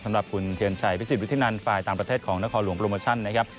สำหรับคุณเทียนชัยพิสิทธินันฝ่ายต่างประเทศของนครหลวงโปรโมชั่นนะครับ